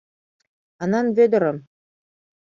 Анан Вӧдырым?!